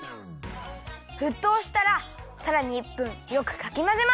ふっとうしたらさらに１分よくかきまぜます。